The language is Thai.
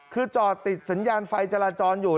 คือจอดติดสัญญาณไฟจราจรอยู่